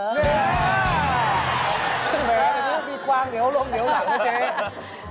นี่มีกวางเดี๋ยวลงเดี๋ยวหลังนะเจ๊